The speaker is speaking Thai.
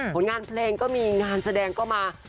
ผลงานเพลงก็มีงานแสดงก็มา